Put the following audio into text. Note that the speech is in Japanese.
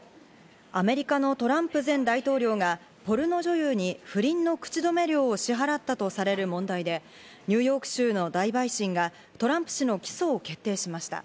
アメリカのトランプ前大統領がポルノ女優に不倫の口止め料を支払ったとされる問題で、ニューヨーク州の大陪審がトランプ氏の起訴を決定しました。